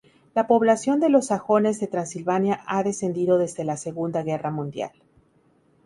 La población de los sajones de Transilvania ha descendido desde la Segunda Guerra Mundial.